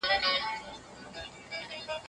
خلګ باید دا لارښوونې رد نه کړي.